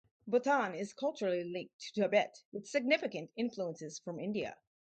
Bhutan is a culturally linked to Tibet with significant influences from India.